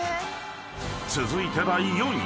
［続いて第４位］